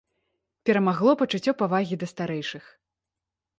Перамагло пачуццё павагі да старэйшых.